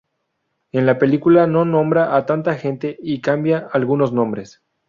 En la película no nombra a tanta gente y cambian algunos nombres.